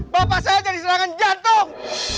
bapak saya jadi serangan jantung